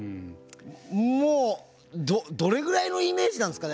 もうどれぐらいのイメージなんですかね？